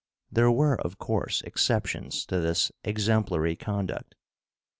There were, of course, exceptions to this exemplary conduct.